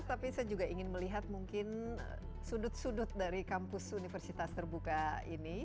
tapi saya juga ingin melihat mungkin sudut sudut dari kampus universitas terbuka ini